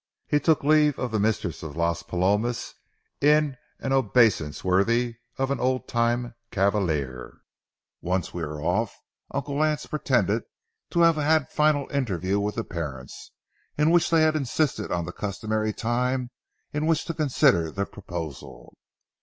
He took leave of the mistress of Las Palomas in an obeisance worthy of an old time cavalier. Once we were off, Uncle Lance pretended to have had a final interview with the parents, in which they had insisted on the customary time in which to consider the proposal.